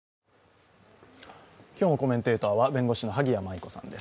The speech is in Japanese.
今日のコメンテーターは弁護士の萩谷麻衣子さんです。